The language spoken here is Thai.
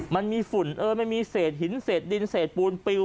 มันมีฝุ่นเอ้ยมันมีเศษหินเศษดินเศษปูนปิว